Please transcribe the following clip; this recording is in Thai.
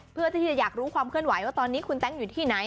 เพื่อที่จะอยากรู้ความเคลื่อนไหวว่าตอนนี้คุณแต๊งอยู่ที่ไหน